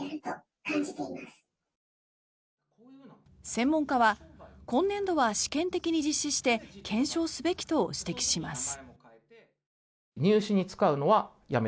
専門家は今年度は試験的に実施して検証すべきと指摘します。